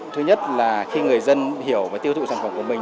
thứ nhất là khi người dân hiểu và tiêu thụ sản phẩm của mình